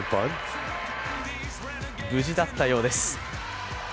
無事だったようです。